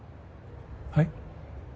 はい？